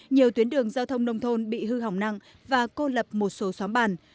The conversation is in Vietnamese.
nhiều tuyến đường giao thông nông thôn bị hư hỏng nặng và cô lập một số xóm bàn